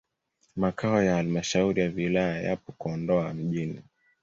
Makao ya halmashauri ya wilaya yapo Kondoa mjini.